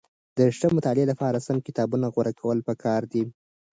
د ښه مطالعې لپاره سم کتابونه غوره کول پکار دي.